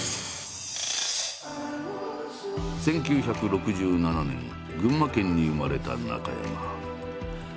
１９６７年群馬県に生まれた中山。